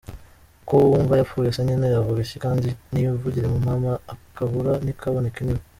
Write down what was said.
Ko wumva yapfuye se nyine avuge iki kandi? Niyivugire mama akabura ntikaboneke niwe.